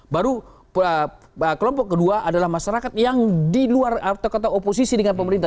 baru kelompok kedua adalah masyarakat yang di luar atau oposisi dengan pemerintah